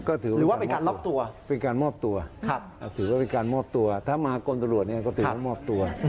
ก็ถือว่าเป็นการล็อกตัวเป็นการมอบตัวถือว่าเป็นการมอบตัวถ้ามากลตำรวจเนี่ยก็ถือว่ามอบตัว